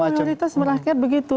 memang prioritas rakyat begitu